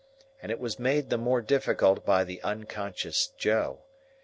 And it was made the more difficult by the unconscious Joe.